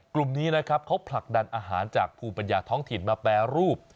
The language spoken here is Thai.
กลุ่มนี้นะครับเขาผลักดันอาหารจากภูมิปัญญาท้องถิ่นมาแปรรูป